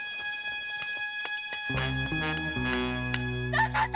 旦那様！